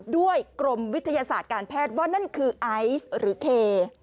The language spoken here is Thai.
กรมวิทยาศาสตร์การแพทย์ว่านั่นคือไอซ์หรือเค